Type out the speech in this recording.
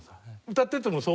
歌っててもそう。